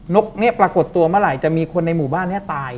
กเนี่ยปรากฏตัวเมื่อไหร่จะมีคนในหมู่บ้านนี้ตาย